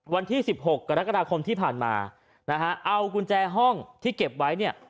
วันที่๑๖กรกฎาคมที่ผ่านมานะฮะเอากุญแจห้องที่เก็บไว้เนี่ย